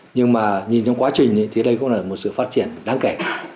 nhưng mà nhìn trong quá trình thì đây cũng là một sự phát triển đáng kể